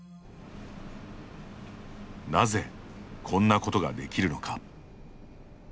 なぜ、こんなことができるのか。